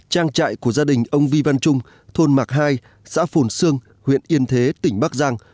trang trại của gia đình ông vi văn trung thôn mạc hai xã phồn sương huyện yên thế tỉnh bắc giang